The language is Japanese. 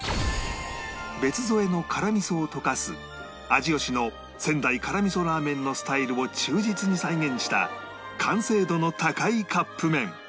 別添えの辛みそを溶かす味よしの仙台辛みそラーメンのスタイルを忠実に再現した完成度の高いカップ麺